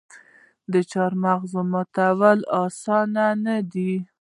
د چهارمغز ماتول اسانه نه دي.